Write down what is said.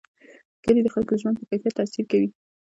کلي د خلکو د ژوند په کیفیت تاثیر کوي.